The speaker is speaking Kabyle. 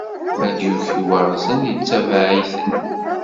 Mi d-yuki waɣzen, yettabaɛ-iten.